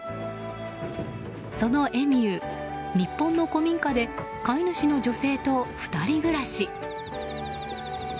そのエミュー、日本の古民家で飼い主の女性と２人暮らし。